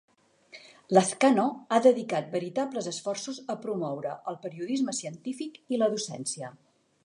Lazcano ha dedicat veritables esforços a promoure el periodisme científic i la docència.